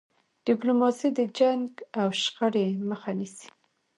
ډيپلوماسي د جنګ او شخړې مخه نیسي.